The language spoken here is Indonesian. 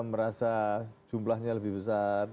merasa jumlahnya lebih besar